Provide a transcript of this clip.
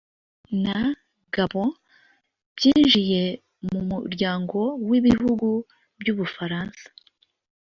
na Gabon byinjiye mu muryango w’ibihugu by’ubufaransa